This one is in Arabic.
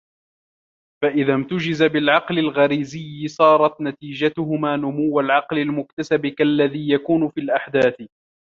فَإِذَا امْتَزَجَ بِالْعَقْلِ الْغَرِيزِيِّ صَارَتْ نَتِيجَتُهُمَا نُمُوَّ الْعَقْلِ الْمُكْتَسَبِ كَاَلَّذِي يَكُونُ فِي الْأَحْدَاثِ